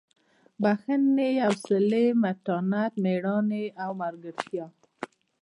بښنې حوصلې متانت مېړانې او ملګرتیا.